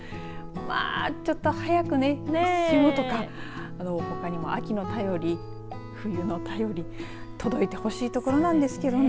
まあ、ちょっと早くね霜とかほかにも秋の便り冬の便り届いてほしいところなんですけどね。